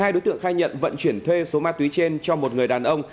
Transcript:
hai đối tượng khai nhận vận chuyển thuê số ma túy trên cho một người đàn ông